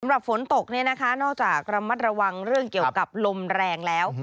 สำหรับฝนตกเนี่ยนะคะนอกจากระมัดระวังเรื่องเกี่ยวกับลมแรงแล้ว